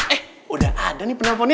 eh udah ada nih penelponnya